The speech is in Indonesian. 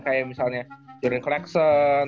kayak misalnya jurian collection